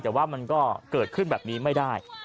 แต่ว่ามันก็เกิดขึ้นแบบนี้ไม่ได้